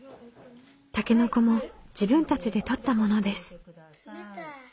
たけのこも自分たちで採ったものです。